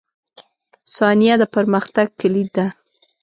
• ثانیه د پرمختګ کلید ده.